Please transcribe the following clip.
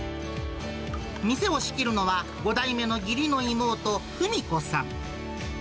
店を仕切るのは、５代目の義理の妹、史子さん。